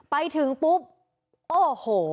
ไปถึงปุ๊บโอ้โห